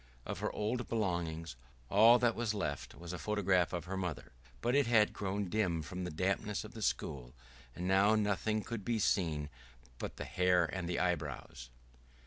Of her old belongings, all that was left was a photograph of her mother, but it had grown dim from the dampness of the school, and now nothing could be seen but the hair and the eyebrows.